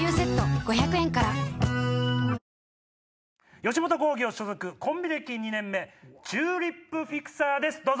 吉本興業所属コンビ歴２年目チューリップフィクサーですどうぞ。